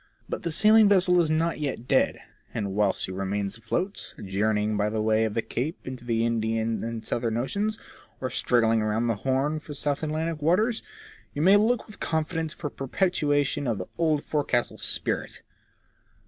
But the sailing vessel is not yet dead ; and whilst she remains afloat, journeying by way of the Cape into the Indian and Southern Oceans, or struggling round the Horn for South Atlantic waters, you may look with confidence for perpetuation of the old forecastle spirit.